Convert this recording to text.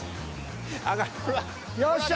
よっしゃ。